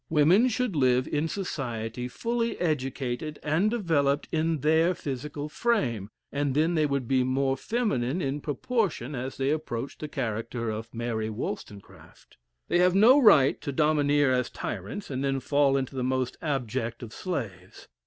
Women should live in society fully educated and developed in their physical frame, and then they would be more feminine in proportion as they approach the character of Mary Wollstonecraft. They have no right to domineer as tyrants, and then fall into the most abject of slaves.